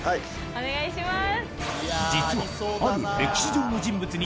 お願いします。